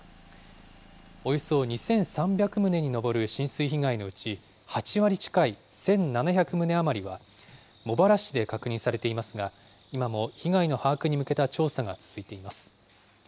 およそ２３００棟に上る浸水被害のうち、８割近い１７００棟余りは茂原市で確認されていますが、今も被害の把握に向けた調査が続いています。